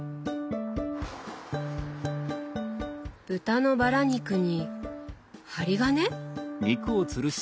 豚のバラ肉に針金？